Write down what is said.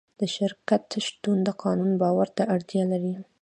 د شرکت شتون د قانون باور ته اړتیا لري.